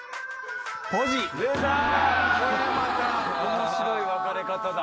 面白い分かれ方だ。